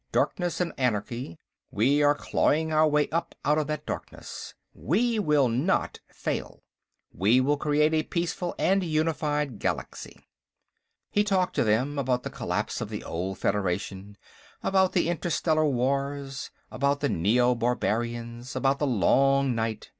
Darkness and anarchy. We are clawing our way up out of that darkness. We will not fail. We will create a peaceful and unified Galaxy." He talked to them, about the collapse of the old Federation, about the interstellar wars, about the Neobarbarians, about the long night.